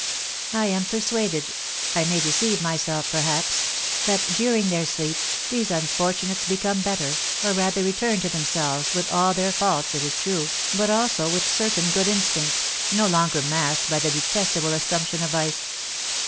I am persuaded (I may deceive myself, perhaps) that, during their sleep, these unfortunates become better, or rather return to themselves, with all their faults, it is true, but also with certain good instincts, no longer masked by the detestable assumption of vice.